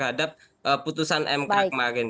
terhadap putusan mk kemarin